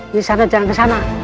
di sana jalan ke sana